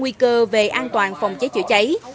nguy cơ về an toàn phòng cháy chữa cháy